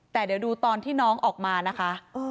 แต่เดี๋ยวดูตอนที่น้องออกมานะคะ